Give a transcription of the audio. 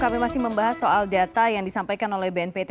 kami masih membahas soal data yang disampaikan oleh bnpt